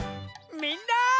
みんな。